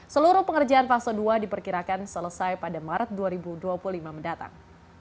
seluruh pengerjaan fase dua diperkirakan selesai pada maret dua ribu dua puluh lima mendatang